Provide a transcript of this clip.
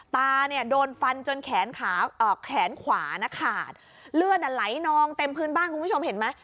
ตาเนี่ยโดนฟันจนแขนขาแขนขวานะขาดเลือดไหลนองเต็มพื้นบ้านคุณผู้ชมเห็นไหม